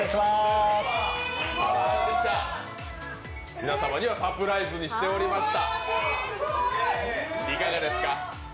皆様にはサプライズにしておりました。